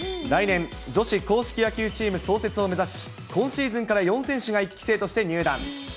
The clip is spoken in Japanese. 来年、女子硬式野球チーム創設を目指し、今シーズンから４選手が１期生として入団。